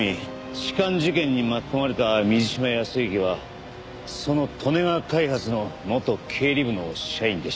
痴漢事件に巻き込まれた水島泰之はその利根川開発の元経理部の社員でした。